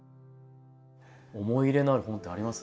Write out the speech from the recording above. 思い入れのある本ってあります？